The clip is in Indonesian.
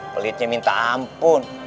pelitnya minta ampun